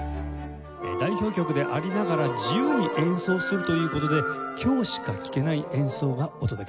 代表曲でありながら自由に演奏するという事で今日しか聴けない演奏がお届けできます。